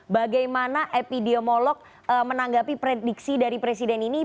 bagaimana epidemiolog menanggapi prediksi dari presiden ini